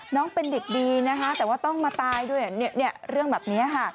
น้องเป็นเด็กดีนะคะแต่ว่าต้องมาตายด้วยเรื่องแบบนี้ค่ะ